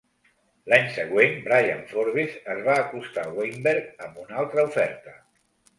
L'any següent, Brian Forbes es va acostar a Weinberg amb una altra oferta.